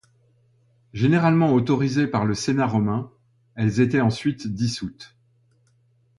Généralement autorisées par le Sénat romain, elles étaient ensuite dissoutes.